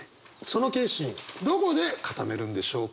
その決心どこで堅めるんでしょうか。